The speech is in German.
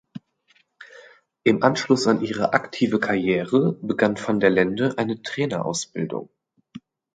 Im Anschluss an ihre aktive Karriere begann van der Lende eine Trainerausbildung.